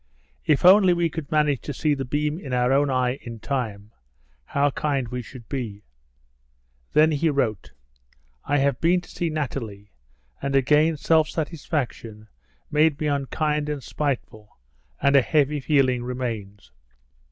If only we could manage to see the beam in our own eye in time, how kind we should be." Then he wrote: "I have been to see Nathalie, and again self satisfaction made me unkind and spiteful, and a heavy feeling remains.